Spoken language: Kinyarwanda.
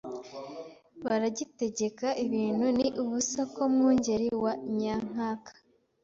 baragitegeka. Ibintu ni ubusa ko Mwungeli wa Nyankaka